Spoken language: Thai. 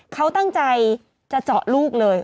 เขาตั้งใจจะเจาะลูกเลย